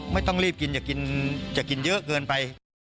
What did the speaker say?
ไม่ต้องรีบกินอย่ากินเยอะเกินไป